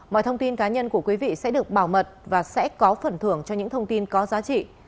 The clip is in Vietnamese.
mọi thông tin cá nhân của quý vị sẽ được bảo mật và sẽ có phần thưởng cho những thông tin có giá trị